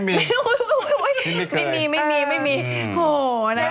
พี่หนุ่มก็เคยเปย์